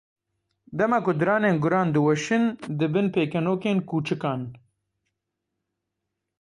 Dema ku diranên guran diweşin, dibin pêkenokên kûçikan.